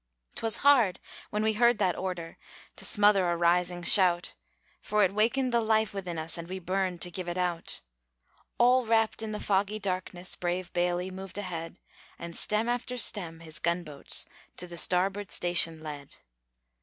'Twas hard when we heard that order To smother a rising shout; For it wakened the life within us, And we burned to give it out. All wrapped in the foggy darkness, Brave Bailey moved ahead; And stem after stern, his gunboats To the starboard station led.